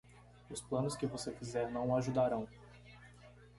Os planos que você fizer não o ajudarão.